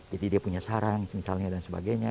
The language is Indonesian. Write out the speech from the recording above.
jadi dia punya sarang misalnya dan sebagainya